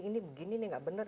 ini begini nih gak bener